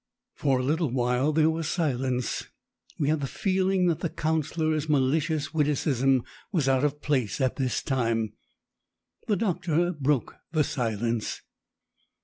For a little while there was silence. We had the feeling that the counsellor's malicious witticism was out of place at this time. The doctor broke the silence.